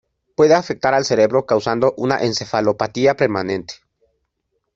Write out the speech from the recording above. Puede afectar al cerebro causando una encefalopatía permanente.